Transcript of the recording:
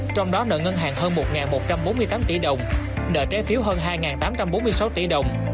trong đó nợ ngân hàng hơn một một trăm bốn mươi tám tỷ đồng nợ trái phiếu hơn hai tám trăm bốn mươi sáu tỷ đồng